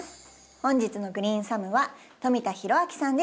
本日の「グリーンサム」は富田裕明さんです。